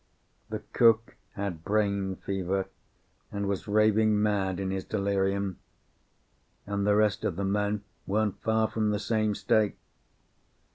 The cook had brain fever, and was raving mad in his delirium; and the rest of the men weren't far from the same state.